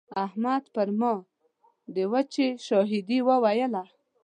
احمد پر ما د وچې شاهدي وويله.